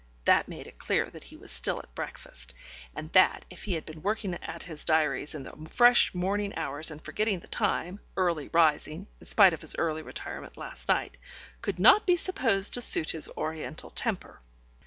That made it clear that he was still at breakfast, and that if he had been working at his diaries in the fresh morning hours and forgetting the time, early rising, in spite of his early retirement last night, could not be supposed to suit his Oriental temper.